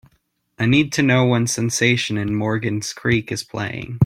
I need to know when Sensation in Morgan’s Creek is playing